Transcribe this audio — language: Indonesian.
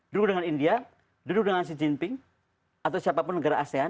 duduk dengan india duduk dengan xi jinping atau siapapun negara asean